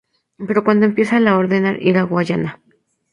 Pero cuando empieza, le ordenar ir a Guyana.